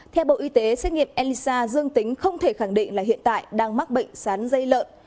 theo bộ y tế xét nghiệm elisa dương tính không thể khẳng định là hiện tại đang mắc bệnh sán dây lợn